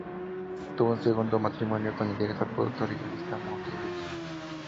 Tuvo un segundo matrimonio con el director, productor y guionista Monte Brice.